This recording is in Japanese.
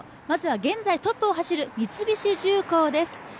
まずは現在トップを走る三菱重工です。